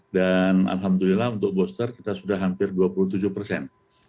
alhamdulillah untuk booster kita sudah hampir dua puluh tujuh persen